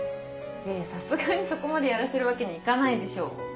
いやいやさすがにそこまでやらせるわけにいかないでしょ。